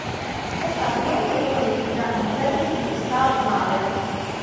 È stato inoltre uno dei più grandi interpreti di Gustav Mahler.